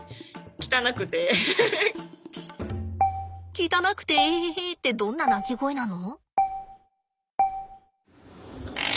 「汚くてエヘヘヘ」ってどんな鳴き声なの？